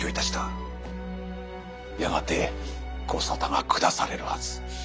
やがて御沙汰が下されるはず。